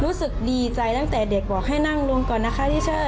รู้สึกดีใจตั้งแต่เด็กบอกให้นั่งลงก่อนนะคะที่ใช่